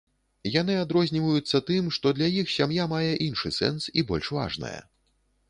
Яны адрозніваюцца тым, што для іх сям'я мае іншы сэнс і больш важная.